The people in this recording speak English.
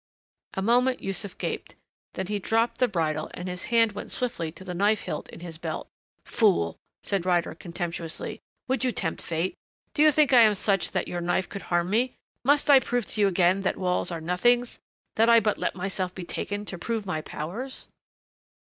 A moment Yussuf gaped. Then he dropped the bridle and his hand went swiftly to the knife hilt in his belt. "Fool!" said Ryder contemptuously. "Would you tempt fate? Do you think I am such that your knife could harm me? Must I prove to you again that walls are nothings that I but let myself be taken to prove my powers?"